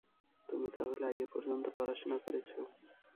তুমি তা হলে আইএ পর্যন্ত পড়াশোনা করেছ?